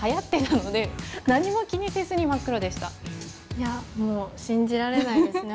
いやもう信じられないですね